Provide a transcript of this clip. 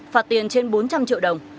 phạt tiền trên bốn trăm linh triệu đồng